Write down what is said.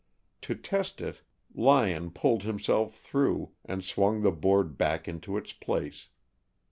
To test it, Lyon pulled himself through, and swung the board back into its place.